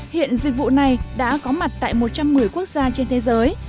hiện dịch vụ này đã có mặt tại một trăm một mươi quốc gia trên thế giới